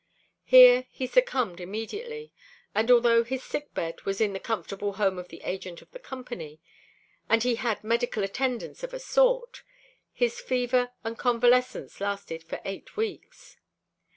Here he succumbed immediately, and although his sickbed was in the comfortable home of the agent of the Company, and he had medical attendance of a sort, his fever and convalescence lasted for eight weeks.